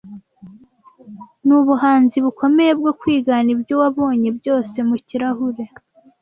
"Nubuhanzi bukomeye bwo kwigana ibyo wabonye byose mu kirahure"